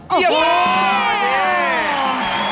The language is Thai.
เยี่ยม